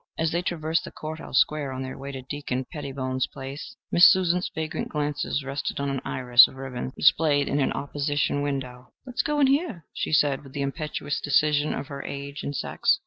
As they traversed the court house square on their way to Deacon Pettybones' place, Miss Susie's vagrant glances rested on an iris of ribbons displayed in an opposition window. "Let's go in here," she said with the impetuous decision of her age and sex.